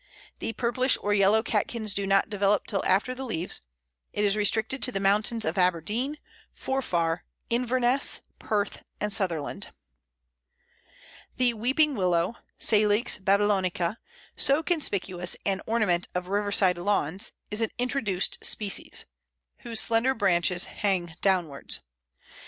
The purplish or yellow catkins do not develop till after the leaves. It is restricted to the mountains of Aberdeen, Forfar, Inverness, Perth, and Sutherland. The Weeping Willow (Salix babylonica), so conspicuous an ornament of riverside lawns, is an introduced species, whose slender branches hang downwards.